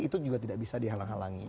itu juga tidak bisa dihalang halangi